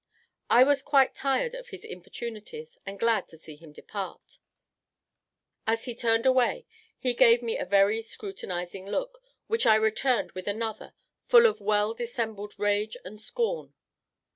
I was quite tired of his importunities, and glad to see him depart. As he turned away, he gave me a very scrutinizing look, which I returned with another, full of well dissembled rage and scorn.